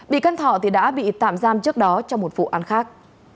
thanh thọ thì đã bị tạm giam trước đó trong một vụ án khác